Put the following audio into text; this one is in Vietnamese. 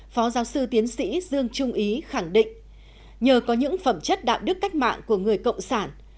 phó giáo sư tiến sĩ dương trung ý khẳng định nhờ có những phẩm chất đạo đức cách mạng của người cộng sản